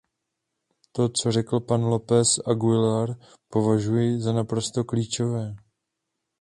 To, co řekl pak López Aguilar, považuji za naprosto klíčové.